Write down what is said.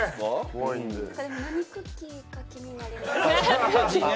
でも何クッキーか気になりますね。